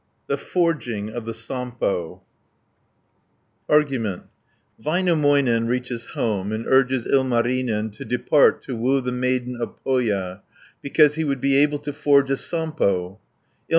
THE FORGING OF THE SAMPO Argument Väinämöinen reaches home and urges Ilmarinen to depart to woo the Maiden of Pohja, because he would be able to forge a Sampo (1 100).